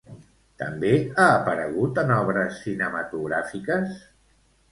També ha aparegut en obres cinematogràfiques?